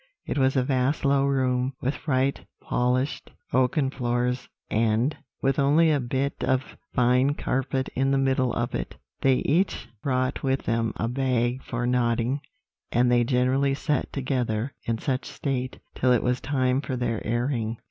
It was a vast low room, with bright polished oaken floors, and with only a bit of fine carpet in the middle of it. They each brought with them a bag for knotting, and they generally sat together in such state till it was time for their airing.